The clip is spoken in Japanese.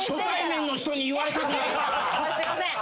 すいません。